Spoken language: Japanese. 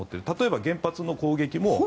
例えば原発の攻撃も。